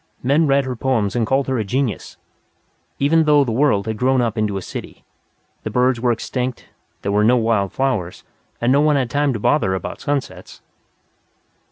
Men read her poems and called her a genius. Even though the whole world had grown up into a city, the birds were extinct, there were no wild flowers, and no one had time to bother about sunsets.